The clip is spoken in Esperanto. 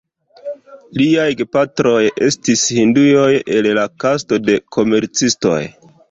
Liaj gepatroj estis hinduoj el la kasto de komercistoj.